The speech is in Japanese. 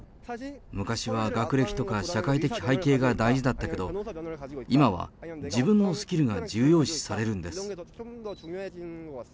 昔は学歴とか社会的背景が大事だったけど、今は、自分のスキルが重要視されるんです。